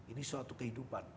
ini suatu kehidupan